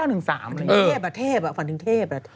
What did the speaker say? ถึงเทพอ่ะเทพอ่ะ